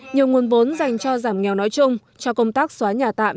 nhiều nguồn vốn dành cho giảm nghèo nói chung cho công tác xóa nhà tạm